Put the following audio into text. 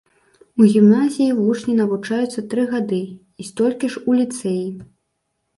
У гімназіі вучні навучаюцца тры гады і столькі ж у ліцэі.